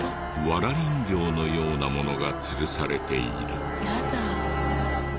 ワラ人形のようなものが吊るされている。